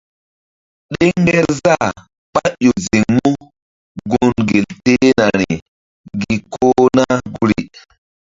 Ɗeŋ ngerzah ɓáƴo ziŋ mú gun gel tehnari gi kona guri.